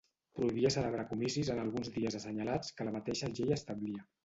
Prohibia celebrar comicis en alguns dies assenyalats que la mateixa llei establia.